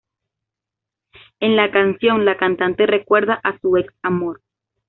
En la canción la cantante recuerda a su ex amor.